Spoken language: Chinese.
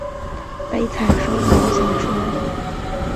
小说揭露了狄更斯时代伦敦大量孤儿的悲惨生活。